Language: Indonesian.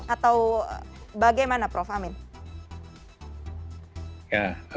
atau bagaimana prof amin